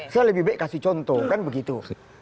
saya lebih baik kasih contoh kan begitu